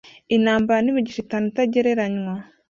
intambara n'imigisha itanu itagereranywa